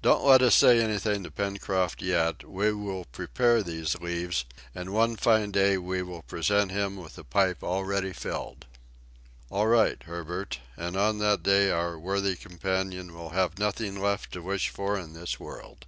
"Don't let us say anything to Pencroft yet; we will prepare these leaves, and one fine day we will present him with a pipe already filled!" "All right, Herbert, and on that day our worthy companion will have nothing left to wish for in this world."